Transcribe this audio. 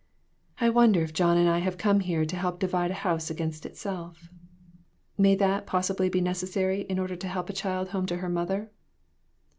I wonder if John and I have come here to help divide a house against itself? May that possibly be necessary in order to help a child home to her mother